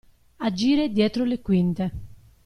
Agire dietro le quinte.